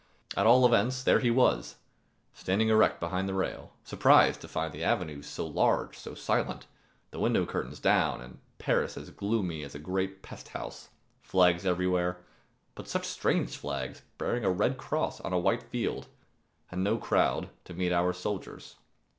At all events, there he was, standing erect behind the rail, surprised to find the avenues so large, so silent, the window curtains down, and Paris as gloomy as a great pesthouse; flags everywhere, but such strange flags bearing a red cross on a white field, and no crowd to meet our soldiers.